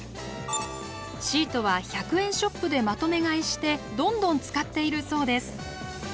シートは１００円ショップでまとめ買いしてどんどん使っているそうです。